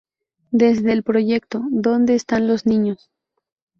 Desde el Proyecto ¿Dónde están los niños?